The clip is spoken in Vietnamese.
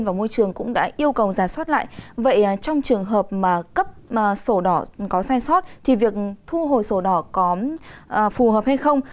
vậy trong trường hợp mà cấp sổ đỏ có sai sót thì việc thu hồi sổ đỏ có phù hợp hay không